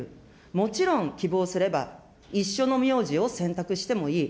もちろん希望すれば一緒の名字を選択してもいい。